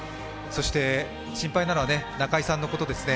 そして、心配なのは中居さんのことですね。